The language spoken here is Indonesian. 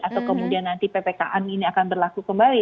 atau kemudian nanti ppkm ini akan berlaku kembali